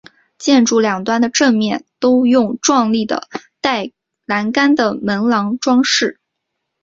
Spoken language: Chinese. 建筑两端的正面都用壮丽的带栏杆的门廊装饰。